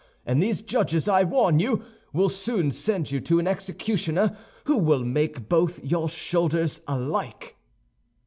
And these judges, I warn you, will soon send you to an executioner who will make both your shoulders alike."